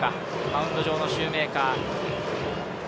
マウンド上のシューメーカー。